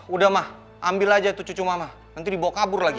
udah mah ambil aja itu cucu mama nanti dibawa kabur lagi